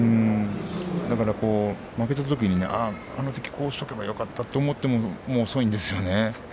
だから負けたときに、あのときこうしておけばよかったと思ってももう遅いんですよね。